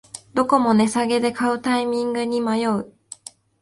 どこも値下げで買うタイミングに迷う